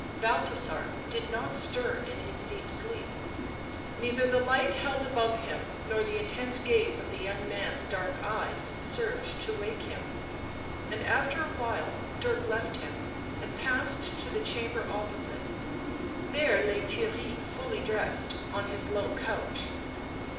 Balthasar did not stir in his deep sleep ; neither the light held above him nor the intense gaze of the young man's dark eyes served to wake him, and after a while Dirk left him and passed to the chamber opposite. There lay Theirry, fully dressed, on his low couch.